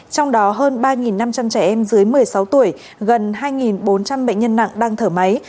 trong đó hơn ba năm trăm linh trẻ em dưới một mươi sáu tuổi gần hai bốn trăm linh bệnh nhân nặng đang thở máy